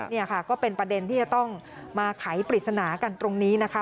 นี่ค่ะก็เป็นประเด็นที่จะต้องมาไขปริศนากันตรงนี้นะคะ